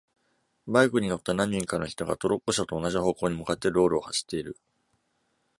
バイクに乗った何人かの人が、トロッコ車と同じ方向に向かって道路を走っている。